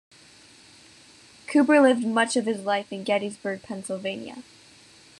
Cooper lived much of his life in Gettysburg, Pennsylvania.